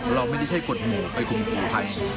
เราไม่ได้ใช้กฎหมู่ไปข่มขู่ใคร